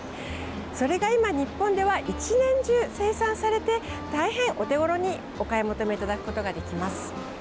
それが今、日本では１年中生産されて大変お手ごろにお買い求めいただくことができます。